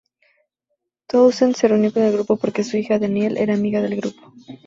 Townsend se reunió con el grupo porque su hija, Danielle, era amiga del grupo.